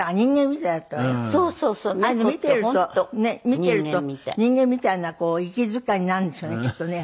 見てると人間みたいな息遣いになるんでしょうねきっとね。